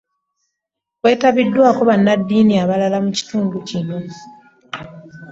Kwetabiddwako bannaddiini abalala mu kitundu kino.